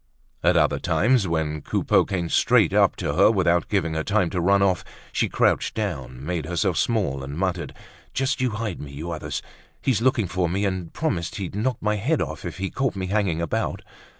At other times, when Coupeau came straight up to her without giving her time to run off, she crouched down, made herself small and muttered: "Just you hide me, you others. He's looking for me, and he promised he'd knock my head off if he caught me hanging about."